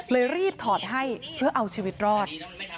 รีบถอดให้เพื่อเอาชีวิตรอด